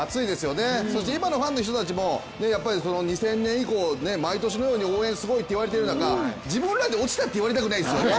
そして今のファンの人たちもやっぱり２０００年以降、毎年のように応援すごいと言われている中自分らで落ちたって言われたくないですよね。